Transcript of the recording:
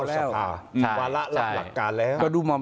เช้าวาระหลักลักการแล้ว